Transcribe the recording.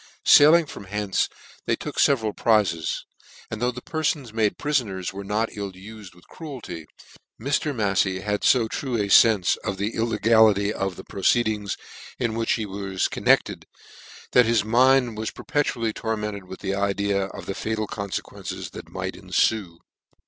Sailing from hence they took feveral prizes ; and though the perfons made prifoners were not ufed with cruelty, Mr, Mafiey had Ib true a fenfe of the illegality of the proceedings in which he was concerned, that his mind was per petually tormented with the idea of the fatal'con fequences that might enfue.